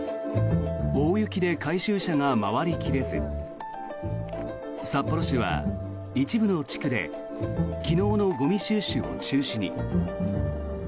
大雪で回収車が回り切れず札幌市は、一部の地区で昨日のゴミ収集を中止に。